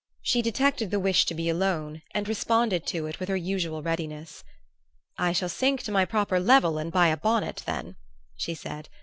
She detected the wish to be alone and responded to it with her usual readiness. "I shall sink to my proper level and buy a bonnet, then," she said.